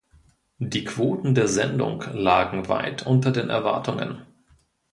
Die Quoten der Sendung lagen weit unter den Erwartungen.